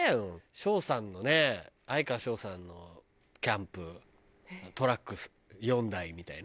翔さんのね哀川翔さんのキャンプトラック４台みたいな。